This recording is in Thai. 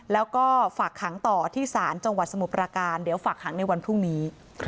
แล้วก็ฝากหังต่อที่สารชวานสมุพรากาลเดี๋ยวฝากหังในวันพรุ่งนี้